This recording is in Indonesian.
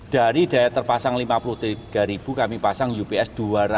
dari daya terpasang lima puluh tiga kami pasang ups dua ratus